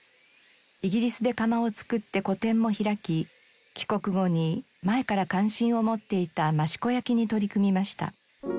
イギリスで窯を作って個展も開き帰国後に前から関心を持っていた益子焼に取り組みました。